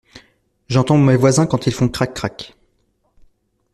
J'entends mes voisins quand ils font crac crac.